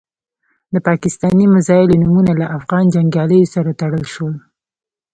د پاکستاني میزایلو نومونه له افغان جنګیالیو سره تړل شول.